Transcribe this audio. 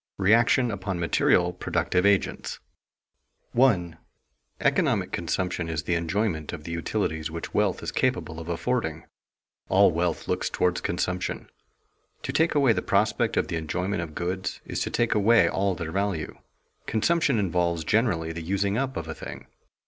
REACTION UPON MATERIAL PRODUCTIVE AGENTS [Sidenote: Essential mark of the consumption of goods] 1. Economic consumption is the enjoyment of the utilities which wealth is capable of affording. All wealth looks toward consumption. To take away the prospect of the enjoyment of goods is to take away all their value. Consumption involves generally the using up of a thing.